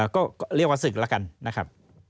ก็เรียกว่าศึกแล้วกันนะครับ